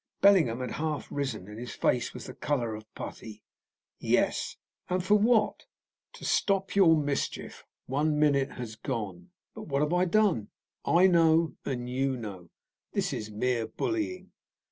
Bellingham had half risen, and his face was the colour of putty. "Yes." "And for what?" "To stop your mischief. One minute has gone." "But what have I done?" "I know and you know." "This is mere bullying."